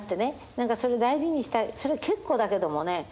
それ大事にしたいそれ結構だけどもね